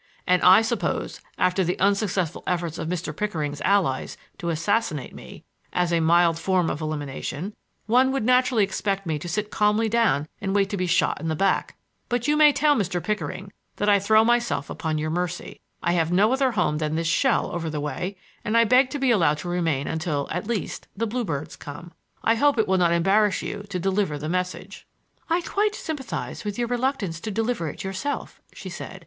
"And I suppose, after the unsuccessful efforts of Mr. Pickering's allies to assassinate me, as a mild form of elimination, one would naturally expect me to sit calmly down and wait to be shot in the back. But you may tell Mr. Pickering that I throw myself upon your mercy. I have no other home than this shell over the way, and I beg to be allowed to remain until—at least—the bluebirds come. I hope it will not embarrass you to deliver the message." "I quite sympathize with your reluctance to deliver it yourself," she said.